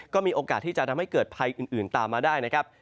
ก็มีโอกาสที่จะทำให้เกิดภัยอื่นตามมาได้นะครับ